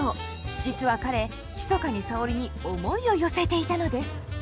実は彼ひそかに沙織に思いを寄せていたのです。